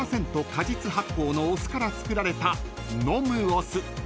果実発酵のお酢から作られた飲むお酢］